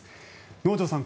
能條さん